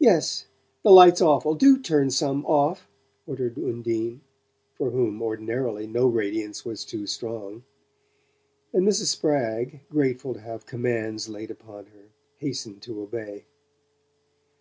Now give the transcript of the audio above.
"Yes the light's awful; do turn some off," ordered Undine, for whom, ordinarily, no radiance was too strong; and Mrs. Spragg, grateful to have commands laid upon her, hastened to obey.